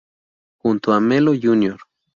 Junto a Melo Jr.